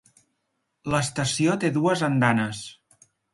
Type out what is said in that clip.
L'estació té dues andanes.